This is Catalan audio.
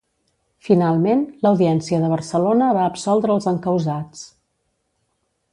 Finalment, l'Audiència de Barcelona va absoldre els encausats.